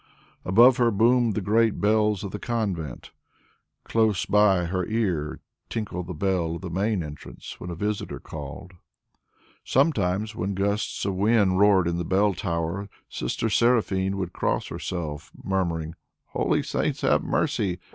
Above her boomed the great bells of the convent, close by her ear tinkled the bell of the main entrance when a visitor called. Sometimes, when gusts of wind roared in the bell tower, Sister Seraphine would cross herself, murmuring, "Holy saints have mercy!